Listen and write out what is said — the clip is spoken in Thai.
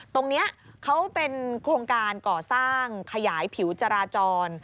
ตรงนี้เขาเป็นโครงการก่อสร้างขยายผิวจราจร